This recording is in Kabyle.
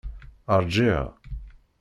Ṛjiɣ.